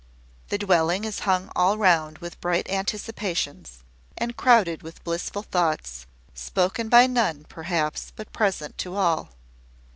The dwelling is hung all round with bright anticipations, and crowded with blissful thoughts, spoken by none, perhaps, but present to all.